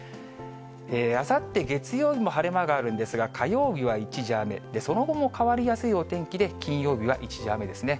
あさって月曜日も晴れ間があるんですが、火曜日は一時雨、その後も変わりやすいお天気で、金曜日は一時雨ですね。